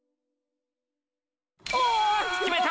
決めた！